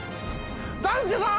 大輔さん！